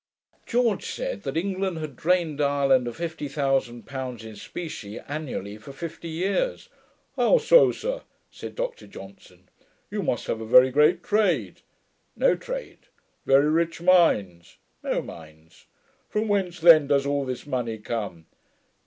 George said that England had drained Ireland of fifty thousand pounds in specie, annually, for fifty years. 'How so, sir!' said Dr Johnson, 'you must have a very great trade?' 'No trade.' 'Very rich mines?' 'No mines.' 'From whence, then, does all this money come?'